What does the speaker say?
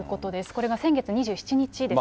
これが先月２７日ですね。